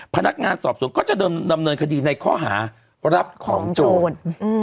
พนักงานสอบสวนก็จะดำเนินคดีในข้อหารับของโจร